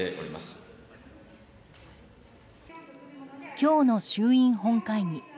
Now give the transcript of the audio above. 今日の衆院本会議。